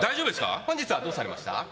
本日、どうされました？